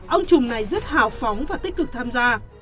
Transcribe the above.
ông trùng này rất hào phóng và tích cực tham gia